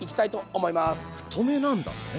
太めなんだね。